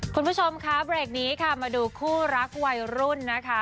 คุณผู้ชมค่ะเบรกนี้ค่ะมาดูคู่รักวัยรุ่นนะคะ